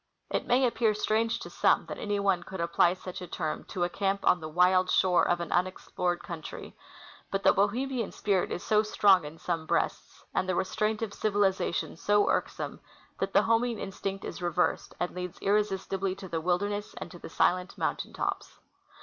It may appear strange to some that any one could apply such a term to a camp on the wild shore of an unexplored country ; but the Bohemian spirit is so strong in some breasts, and the restraint of civilization so irksome, that the homing instinct is reversed and leads irresistibly to the wilderness and to the silent moun tain tops.